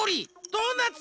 ドーナツ。